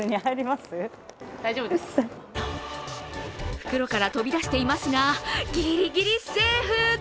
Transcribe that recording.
袋から飛び出していますが、ギリギリセーフ。